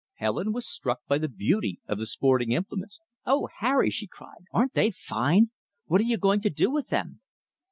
Helen was struck by the beauty of the sporting implements. "Oh, Harry!" she cried, "aren't they fine! What are you going to do with them?"